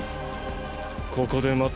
ここで待っ